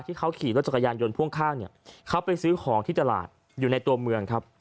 ที่เขาขี่รถจักรยานยนต์พ่วงข้างเนี่ยเขาไปซื้อของที่ตลาดอยู่ในตัวเมืองครับ